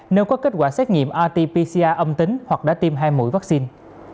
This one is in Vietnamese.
nếu có kết quả xét nghiệm rt pcr âm tính hoặc đã tiêm hai mũi vaccine